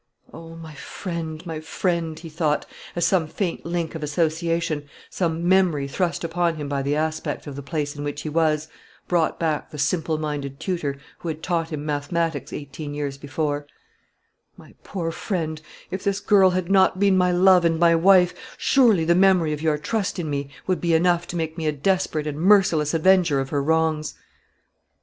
"O my friend, my friend!" he thought, as some faint link of association, some memory thrust upon him by the aspect of the place in which he was, brought back the simple minded tutor who had taught him mathematics eighteen years before, "my poor friend, if this girl had not been my love and my wife, surely the memory of your trust in me would be enough to make me a desperate and merciless avenger of her wrongs."